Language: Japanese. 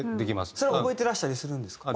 それは覚えてらしたりするんですか？